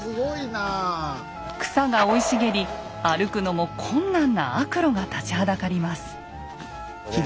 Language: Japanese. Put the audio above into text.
草が生い茂り歩くのも困難な悪路が立ちはだかります。